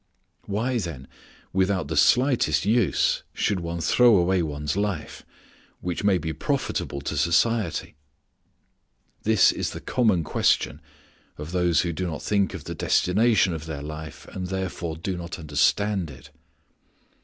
Why, then, without the slightest use should one throw away one's life, which may be profitable to society?" is the common question of those who do not think of the destination of their life and therefore do not understand it.